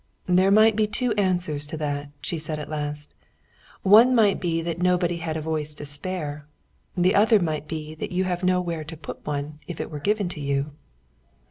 "There might be two answers to that," she said at last. "One might be that nobody had a voice to spare, and the other might be that you have nowhere to put one if it were given to you."